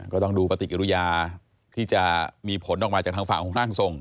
ก็ต้องดูปฏิกิริยาที่จะมีผลออกมาจากทางฝั่งของร่างทรง